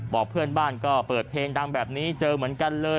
เพื่อนบ้านก็เปิดเพลงดังแบบนี้เจอเหมือนกันเลย